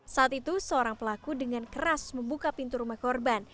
saat itu seorang pelaku dengan keras membuka pintu rumah korban